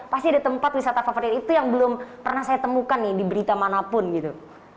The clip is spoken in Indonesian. pasti ada tempat wisata favorit itu yang belum pernah saya temukan nih di berita manapun gitu